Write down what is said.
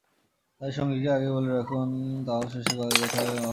তাই সঙ্গীকে আগেই বলে রাখুন, তাওয়াফ শেষ করে কোথায় নামাজ পড়বেন।